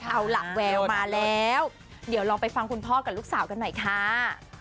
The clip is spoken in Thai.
เอาล่ะแววมาแล้วเดี๋ยวลองไปฟังคุณพ่อกับลูกสาวกันหน่อยค่ะ